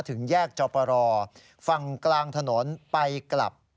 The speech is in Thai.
ถึงแยกเจ้าประรอบฝั่งกลางถนนไปกลับ